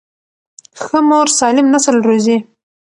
ښه مور سالم نسل روزي.